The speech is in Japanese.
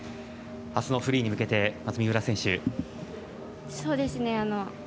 あすのフリーに向けてまず、三浦選手。